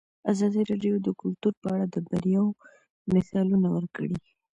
ازادي راډیو د کلتور په اړه د بریاوو مثالونه ورکړي.